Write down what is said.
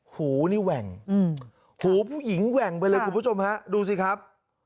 หูนี่แหว่งหูผู้หญิงแหว่งไปเลยคุณผู้ชมฮะดูสิครับ